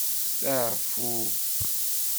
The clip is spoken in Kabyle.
Staɛfu